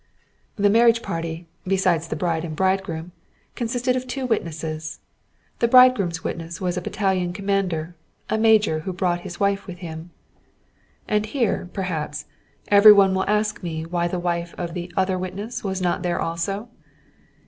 The marriage party, besides the bride and bridegroom, consisted of two witnesses; the bridegroom's witness was a battalion commander, a major who brought his wife with him. And here, perhaps, every one will ask me why the wife of the other witness was not there also?